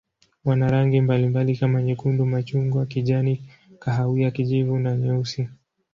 Wana rangi mbalimbali kama nyekundu, machungwa, kijani, kahawia, kijivu na nyeusi.